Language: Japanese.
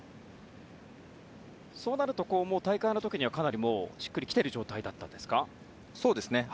そうなると、大会の時にはかなりしっくりきている状態だったんですか？